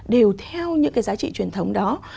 đều theo những cái giá trị truyền thống đó